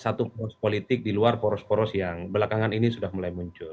satu poros politik di luar poros poros yang belakangan ini sudah mulai muncul